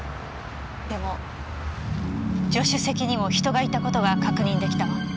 でも助手席にも人がいた事が確認出来たわ。